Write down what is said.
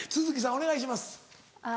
お願いします。